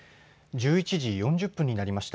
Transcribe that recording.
１１時４０分になりました。